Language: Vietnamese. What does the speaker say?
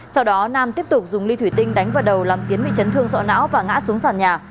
sau đó nam tiếp tục dùng ly thủy tinh đánh vào đầu làm tiến huy chấn thương sọ não và ngã xuống sàn nhà